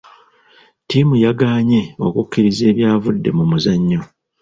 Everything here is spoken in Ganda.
Ttiimu yagaanye okukkiriza ebyavudde mu muzannyo.